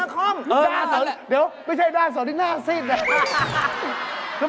เออน่าสนด้วยนะคอม